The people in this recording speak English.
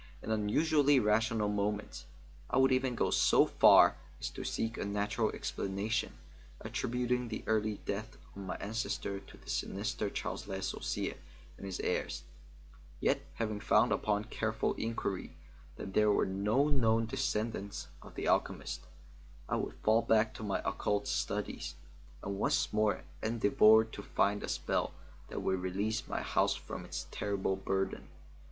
In unusually rational moments, I would even go so far as to seek a natural explanation, attributing the early deaths of my ancestors to the sinister Charles Le Sorcier and his heirs; yet having found upon careful inquiry that there were no known descendants of the alchemist, I would fall back to my occult studies, and once more endeavour to find a spell that would release my house from its terrible burden.